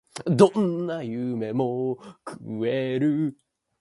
The loss of precious helium is limited in this way.